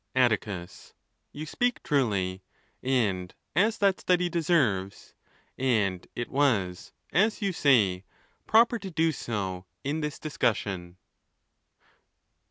Atticus—You speak truly, and as that study deserves ;° and it was, as you say, proper to do so in this discussion.